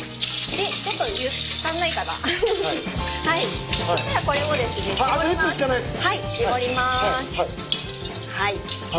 はいはい。